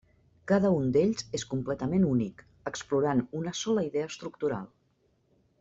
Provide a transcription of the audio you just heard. Cada un d'ells és completament únic, explorant una sola idea estructural.